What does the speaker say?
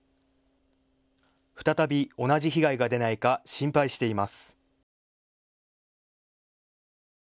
再び同じ被害が出ないか心配しています。